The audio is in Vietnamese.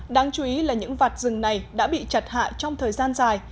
đáng chú ý là những vặt rừng này đã bị chặt hạ trong thời gian dài